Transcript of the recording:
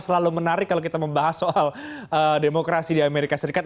selalu menarik kalau kita membahas soal demokrasi di amerika serikat